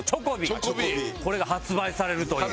これが発売されるという。